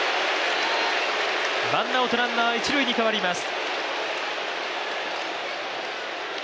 ワンアウトランナー、一塁に変わります。